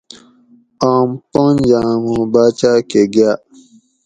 آم پنج آمو باچاۤ کہ گاۤ